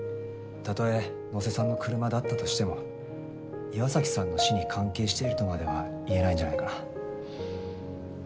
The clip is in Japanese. たとえ野瀬さんの車だったとしても岩崎さんの死に関係しているとまでは言えないんじゃないかな。